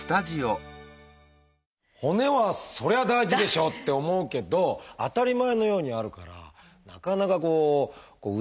骨はそりゃ大事でしょって思うけど当たり前のようにあるからなかなかこう失ってからでないと